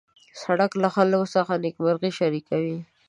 سړک له خلکو سره نېکمرغي شریکوي.